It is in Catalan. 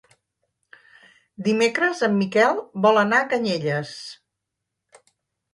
Dimecres en Miquel vol anar a Canyelles.